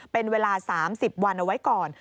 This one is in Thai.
เป็นเวลา๓๐วันเอาไว้ก่อน